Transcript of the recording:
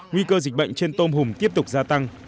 nguy cơ dịch bệnh trên tôm hùm tiếp tục gia tăng